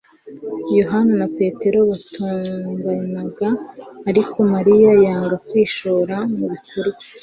Yohana na Petero batonganaga, ariko Mariya yanga kwishora mu bikorwa